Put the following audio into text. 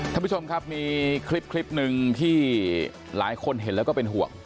ท่านผู้ชมครับมีคลิปหนึ่งที่หลายคนเห็นแล้วก็เป็นห่วง